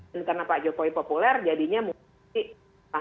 dan karena pak jokowi populer jadinya mungkin masih